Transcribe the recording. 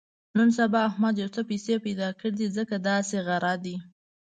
نن سبا احمد یو څه پیسې پیدا کړې دي، ځکه داسې غره دی.